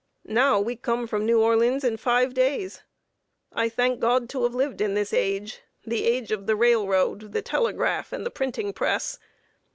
Now we come from New Orleans in five days. I thank God to have lived in this age the age of the Railroad, the Telegraph, and the Printing Press.